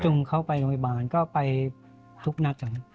จุมเข้าไปโรงพยาบาลก็ไปทุกหน้าจำนัก